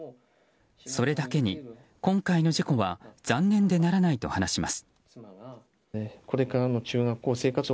それだけに、今回の事故は残念でならないと話します。